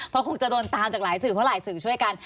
เพราะคงจะโดนตามจากหลายสื่อเพราะหลายสื่อช่วยกัน